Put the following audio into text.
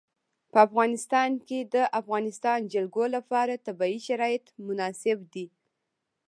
په افغانستان کې د د افغانستان جلکو لپاره طبیعي شرایط مناسب دي.